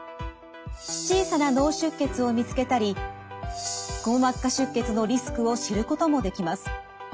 小さな脳出血を見つけたりくも膜下出血のリスクを知ることもできます。